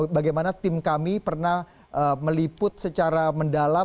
bagaimana tim kami pernah meliput secara mendalam